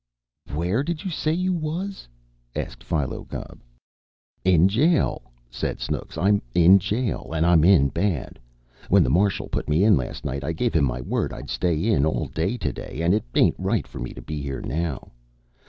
"Where did you say you was?" asked Philo Gubb. "In jail," said Snooks. "I'm in jail, and I'm in bad. When the marshal put me in last night I gave him my word I'd stay in all day to day, and it ain't right for me to be here now.